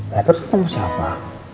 ya terus ketemu siapa